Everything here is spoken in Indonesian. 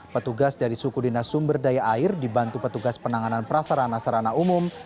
petugas dari suku dinas sumber daya air dibantu petugas penanganan prasarana sarana umum